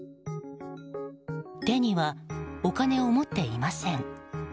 手にはお金を持っていません。